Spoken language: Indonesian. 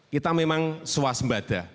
kita memang swasmbadha